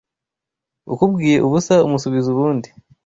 Ukubwiye ubusa umusubiza ubundi